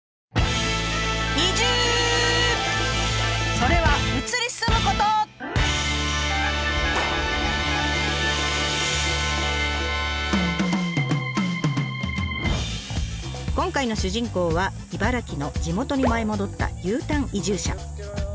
それは今回の主人公は茨城の地元に舞い戻ったＵターン移住者。